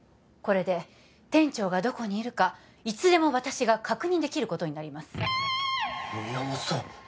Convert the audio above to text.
これで店長がどこにいるかいつでも私が確認できることになります宮本さん